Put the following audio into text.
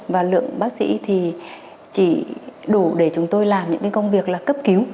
và lượng bác sĩ thì chỉ đủ để chúng tôi làm những công việc là cấp cứu